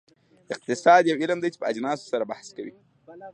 اقتصاد یو علم دی چې په اجناسو بحث کوي.